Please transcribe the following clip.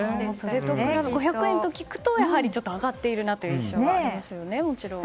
５００円と聞くとちょっと上がっているなという印象がありますよね、もちろん。